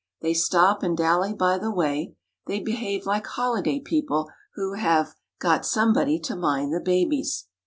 They stop and dally by the way; they behave like holiday people who have "got somebody to mind the babies."